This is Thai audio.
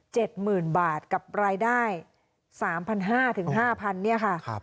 หมื่นบาทกับรายได้สามพันห้าถึงห้าพันเนี่ยค่ะครับ